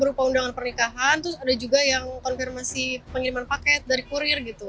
berupa undangan pernikahan terus ada juga yang konfirmasi pengiriman paket dari kurir gitu